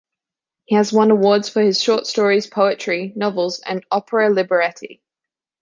He has won awards for his short stories, poetry, novels, and opera libretti.